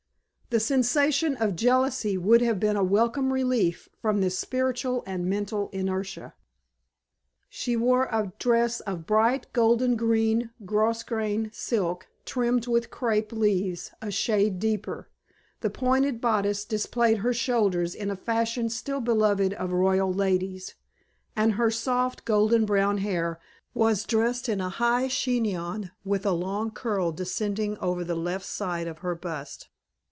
The sensation of jealousy would have been a welcome relief from this spiritual and mental inertia. She wore a dress of bright golden green grosgrain silk trimmed with crepe leaves a shade deeper. The pointed bodice displayed her shoulders in a fashion still beloved of royal ladies, and her soft golden brown hair was dressed in a high chignon with a long curl descending over the left side of her bust.